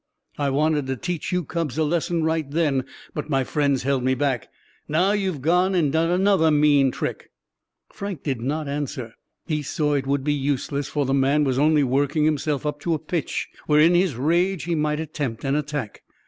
I wanted to teach you cubs a lesson right then, but my friends held me back. Now you've gone and done another mean trick." Frank did not answer. He saw it would be useless, for the man was only working himself up to a pitch where in his rage he might attempt an attack.